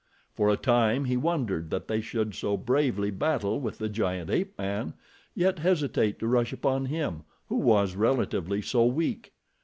For a time he wondered that they should so bravely battle with the giant ape man, yet hesitate to rush upon him, who was relatively so weak.